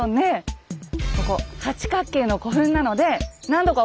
ここ八角形の古墳なので何度か覚えてますか？